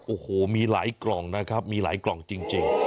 โอ้โหมีหลายกล่องนะครับมีหลายกล่องจริง